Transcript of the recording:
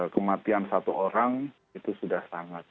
kematian satu orang itu sudah sangat